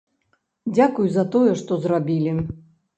Дзякуй за тое, што зрабілі!